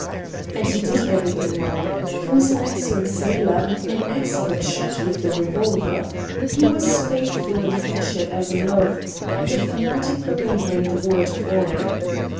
And he did everything well: he was an excellent sailor, an expert shot with the revolver. He was as faithful in friendship as in love, and a fanatic believer in the "word of honor."